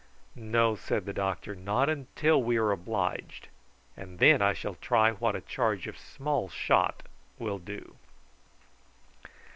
"No," said the doctor, "not until we are obliged; and then I shall try what a charge of small shot will do."